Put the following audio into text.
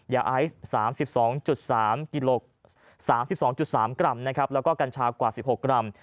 ยาไอซ์๓๒๓กรัมและกัญชากว่า๑๖กรัม